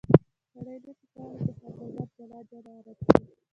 سړی نه سي کولای چې هر نظر جلا جلا رد کړي.